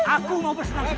aku mau bersenang senang